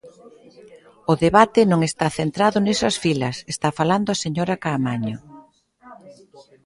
O debate non está centrado nesas filas, está falando a señora Caamaño.